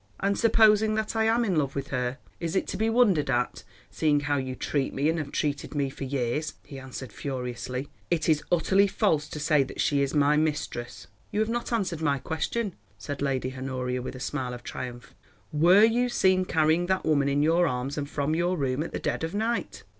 "And supposing that I am in love with her, is it to be wondered at, seeing how you treat me and have treated me for years?" he answered furiously. "It is utterly false to say that she is my mistress." "You have not answered my question," said Lady Honoria with a smile of triumph. "Were you seen carrying that woman in your arms and from your room at the dead of night?